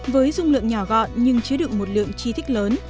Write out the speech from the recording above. với dung lượng nhỏ gọn nhưng chứa được một lượng chi thích lớn